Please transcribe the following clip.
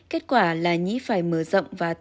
kết quả là nhĩ phải mở rộng và tự